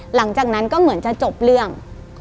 หลังจากนั้นก็เหมือนจะจบเรื่อง